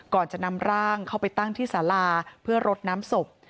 ก่อนจะนำร่างเข้าไปตั้งที่สาราเพื่อรดน้ำศพ